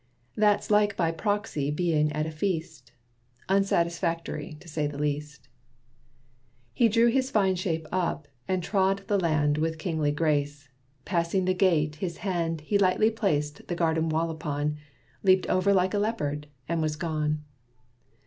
That's like by proxy being at a feast; Unsatisfactory, to say the least." He drew his fine shape up, and trod the land With kingly grace. Passing the gate, his hand He lightly placed the garden wall upon, Leaped over like a leopard, and was gone.